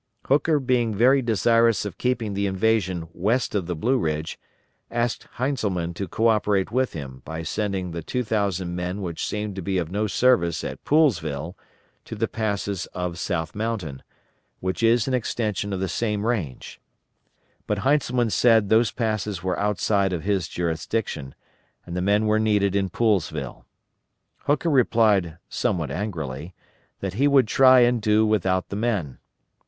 Hooker being very desirous of keeping the invasion west of the Blue Ridge, asked Heintzelman to co operate with him by sending the 2,000 men which seemed to be of no service at Poolesville to the passes of South Mountain, which is an extension of the same range; but Heintzelman said those passes were outside of his jurisdiction, and the men were needed in Poolesville. Hooker replied somewhat angrily that he would try and do without the men.